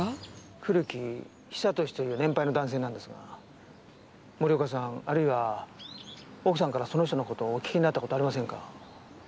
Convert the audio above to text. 古木久俊という年配の男性なんですが森岡さんあるいは奥さんからその人の事をお聞きになった事ありませんか？